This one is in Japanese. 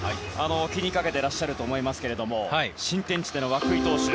気にかけてらっしゃると思いますが新天地での涌井投手